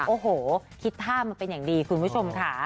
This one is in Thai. โอ้โหคิดท่ามาเป็นอย่างดีคุณผู้ชมค่ะ